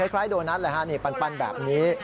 คล้ายโดนัทปันแบบนี้